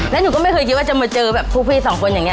แล้วหนูก็ไม่เคยคิดว่าจะมาเจอแบบพวกพี่สองคนอย่างนี้